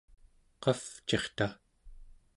qavcirta?